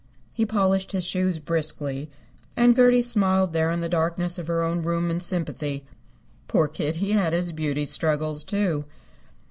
He polished his shoes briskly, and Gertie smiled there in the darkness of her own room in sympathy. Poor kid, he had his beauty struggles, too.